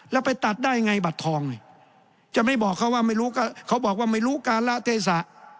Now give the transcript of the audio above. แล้วไปตัดได้ไงบัตรทองจะไม่บอกเขาว่าไม่รู้การละเทศะ